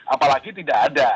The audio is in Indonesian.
apalagi tidak ada